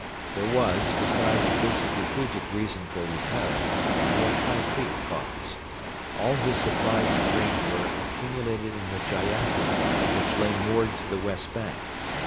There was, besides this strategic reason for retiring, a more concrete cause. All his supplies of grain were accumulated in the gyassas which lay moored to the west bank.